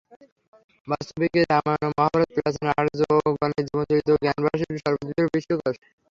বাস্তবিক এই রামায়ণ ও মহাভারত প্রাচীন আর্যগণের জীবনচরিত ও জ্ঞানরাশির সুবৃহৎ বিশ্বকোষ।